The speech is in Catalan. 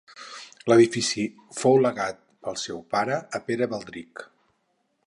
L'edifici fou legat, pel seu pare, a Pere Baldric.